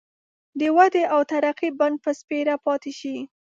د ودې او ترقۍ بڼ به سپېره پاتي شي.